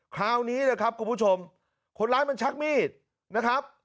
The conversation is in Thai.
คราวนี้นะครับคุณผู้ชมคนร้ายมันชักมีดนะครับ